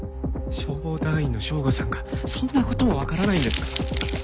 消防団員の省吾さんがそんな事もわからないんですか！？